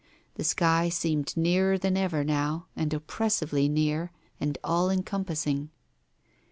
The sky seemed nearer than ever now, and oppressively near, and all encompassing.